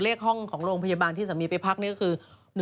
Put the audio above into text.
เลขห้องของโรงพยาบาลที่สามีไปพักนี่ก็คือ